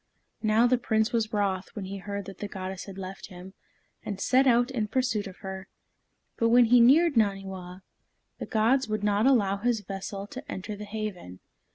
Now the Prince was wroth when he heard that the goddess had left him, and set out in pursuit of her. But when he neared Naniwa, the gods would not allow his vessel to enter the haven.